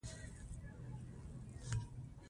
ازادي راډیو د امنیت پرمختګ او شاتګ پرتله کړی.